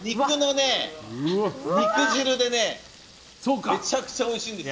肉汁でめちゃくちゃおいしいんですよ。